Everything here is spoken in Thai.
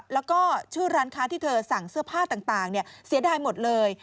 แล้วก็ชื่อร้านค้าที่เธอสั่งเสื้อผ้าต่างเสียดายหมดเลย